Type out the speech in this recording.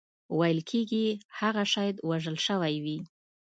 ویل کېږي هغه شاید وژل شوی وي.